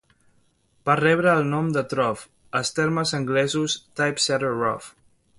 Va rebre el nom de "troff", dels termes anglesos "typesetter roff".